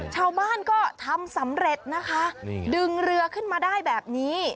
ชาวบ้านก็ทำสำเร็จนะคะดึงเรือขึ้นมาได้แบบนี้